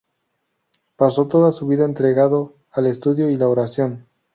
Pasó toda su vida entregado al estudio y la oración.